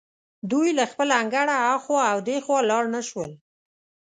دوی له خپل انګړه هخوا او دېخوا لاړ نه شول.